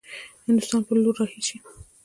هندوستان پر لور رهي شي.